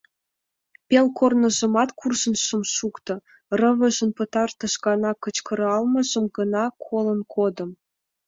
Пел корныжымат куржын шым шукто, рывыжын пытартыш гана кычкыралмыжым гына колын кодым.